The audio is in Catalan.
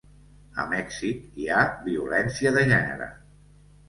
A Mèxic hi ha violència de gènere